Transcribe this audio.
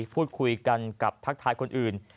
พูดคุยกันกับทักทายคนอื่น